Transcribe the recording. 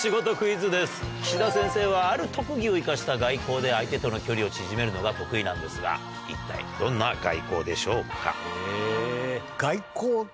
岸田先生はある特技を生かした外交で相手との距離を縮めるのが得意なんですが一体どんな外交でしょうか？